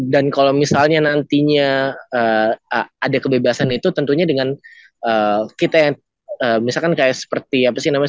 dan kalo misalnya nantinya ada kebebasan itu tentunya dengan kita yang misalkan kayak seperti apa sih namanya